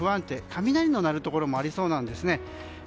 雷が鳴るところもありそうです。